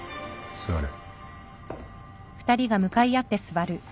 座れ。